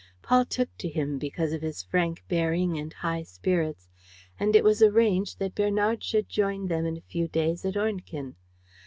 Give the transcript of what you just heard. Paul took to him, because of his frank bearing and high spirits; and it was arranged that Bernard should join them in a few days at Ornequin.